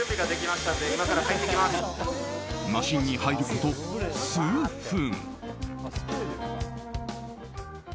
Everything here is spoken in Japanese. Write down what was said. マシンに入ること数分。